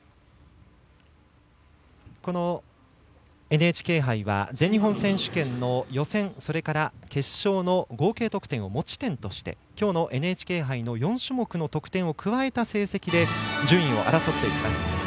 このＮＨＫ杯は全日本選手権の予選それから決勝の合計得点を持ち点としてきょうのＮＨＫ杯の４種目の得点を加えた成績で、順位を争っていきます。